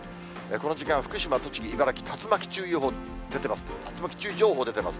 この時間、福島、栃木、茨城、竜巻注意情報、出てます。